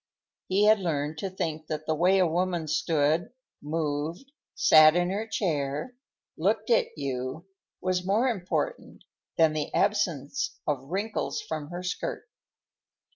He had learned to think that the way a woman stood, moved, sat in her chair, looked at you, was more important than the absence of wrinkles from her skirt.